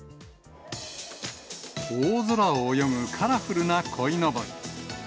大空を泳ぐカラフルなこいのぼり。